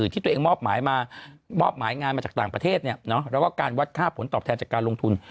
ที่ตัวเองมอบหมายมามอบหมายงานมาจากต่างประเทศแล้วก็การวัดค่าผลตอบแทนจากการลงทุน